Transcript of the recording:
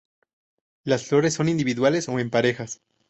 Las flores son individuales o en parejas.